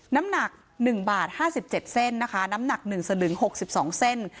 น้ำหนักหนึ่งบาทห้าสิบเจ็ดเส้นนะคะน้ำหนักหนึ่งสลึงหกสิบสองเส้น